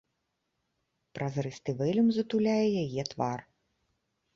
Празрысты вэлюм затуляе яе твар.